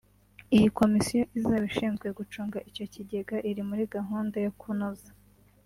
Iyi komisiyo izaba ishinzwe gucunga icyo kigega iri muri gahunda yo kunoza